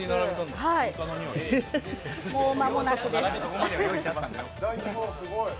もう間もなくです。